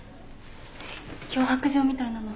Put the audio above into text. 脅迫状みたいなの。